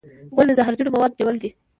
غول د زهرجنو موادو نیول دی.